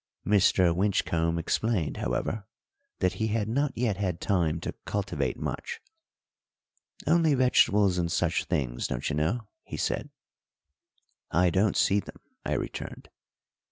Mr. Winchcombe explained, however, that he had not yet had time to cultivate much. "Only vegetables and such things, don't you know," he said. "I don't see them," I returned.